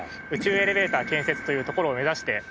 宇宙エレベーター建設というところを目指して。